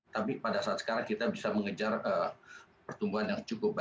tapi pada saat sekarang kita bisa mengejar pertumbuhan yang cukup